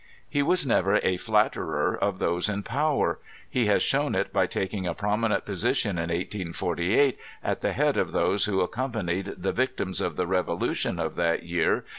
He was never a flatterer of those in power. He has shown it by taking a prominent position, in 1848, at the head of those who accompanied the victims of the revolution of that year to SECOND SBBIES, V┬½.